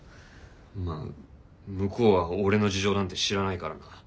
まあ向こうは俺の事情なんて知らないからな。